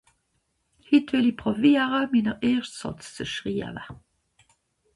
Het well i pràwiara, mina erschta Sàtz zu schriwa.